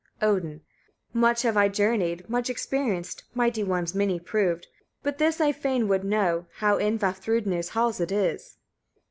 Odin. 3. Much have I journeyed, much experienced, mighty ones many proved; but this I fain would know, how in Vafthrûdnir's halls it is.